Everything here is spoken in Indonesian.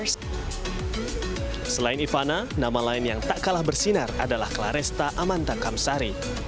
selain ivana nama lain yang tak kalah bersinar adalah claresta amanta kamsari